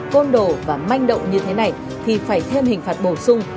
côn đồ và manh động như thế này thì phải thêm hình phạt bổ sung